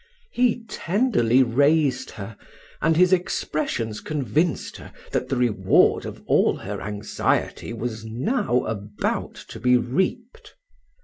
He tenderly raised her, and his expressions convinced her, that the reward of all her anxiety was now about to be reaped.